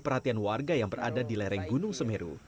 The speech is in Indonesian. perhatian warga yang berada di lereng gunung semeru